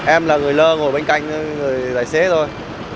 em là người lơ ngồi bên cạnh người tài xế thôi